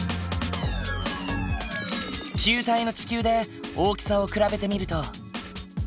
球体の地球で大きさを比べてみると。